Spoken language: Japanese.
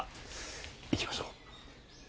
行きましょう。